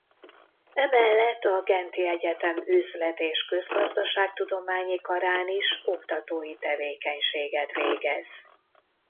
Emellett a Genti Egyetem Üzlet- és Közgazdaságtudományi Karán is oktatói tevékenységet végez.